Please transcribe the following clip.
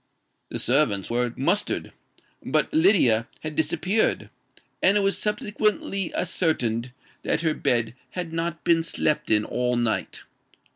The servants were mustered; but Lydia had disappeared; and it was subsequently ascertained that her bed had not been slept in all night.